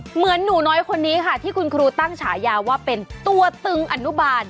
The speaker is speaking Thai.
เหมือนหนูน้อยคนนี้ค่ะที่คุณครูตั้งฉายาว่าเป็นตัวตึงอนุบาล